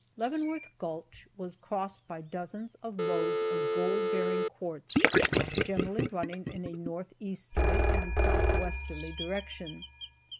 Leavenworth gulch was crossed by dozens of lodes of gold bearing quartz, generally running in a north easterly and south westerly direction.